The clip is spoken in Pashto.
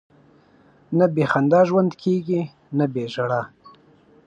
نه بې خندا ژوند کېږي، نه بې ژړا.